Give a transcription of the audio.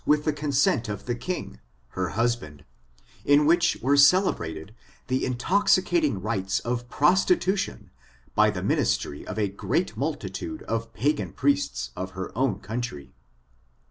189 with the consent of the king, her husband, in which were celebrated the intoxicating rites of prostitution by the ministry of a great multitude of pagan priests of her own country.